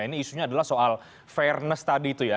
ini isunya adalah soal fairness tadi itu ya